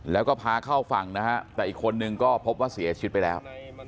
แล้วก็พาเข้าฝั่งนะฮะแต่อีกคนนึงก็พบว่าเสียชีวิตไปแล้ว